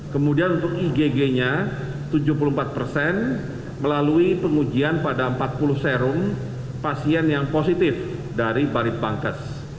kemudian untuk igg nya tujuh puluh empat persen melalui pengujian pada empat puluh serum pasien yang positif dari barit bangkes